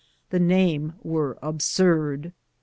The names were absurd.